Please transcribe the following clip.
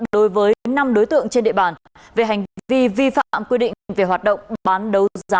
đối với năm đối tượng trên địa bàn về hành vi vi phạm quy định về hoạt động bán đấu giá